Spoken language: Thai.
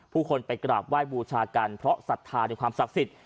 ผู้คนไปกราบไหว้บูชากันเพราะศรัทธาในความศักดิ์สิทธิ